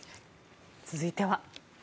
続いては。